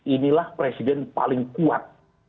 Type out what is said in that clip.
inilah presiden paling kuat